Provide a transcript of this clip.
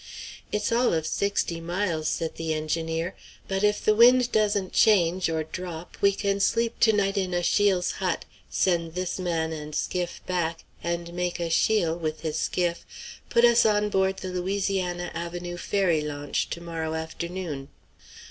"It's all of sixty miles," said the engineer; "but if the wind doesn't change or drop we can sleep to night in Achille's hut, send this man and skiff back, and make Achille, with his skiff, put us on board the Louisiana avenue ferry launch to morrow afternoon."